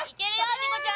ニコちゃん！